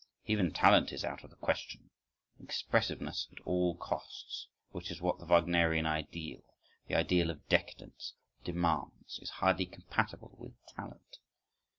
Even talent is out of the question. Expressiveness at all costs, which is what the Wagnerian ideal—the ideal of decadence—demands, is hardly compatible with talent.